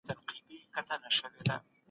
د پاچاهانو په صفت کي هیڅکله دروغ مه وایه.